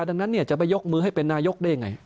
ดังนั้นจะไปยกมือให้เป็นนายกได้ยังไง